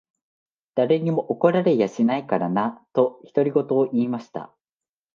誰にも怒られやしないからな。」と、独り言を言いました。